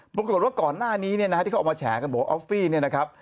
ปรากฏว่าก่อนหน้านี้เนี่ยนะฮะที่เขาออกมาแฉกันบอกว่าออฟฟี่เนี่ยนะครับ